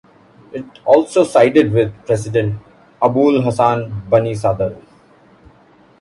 It also sided with president Abolhassan Banisadr.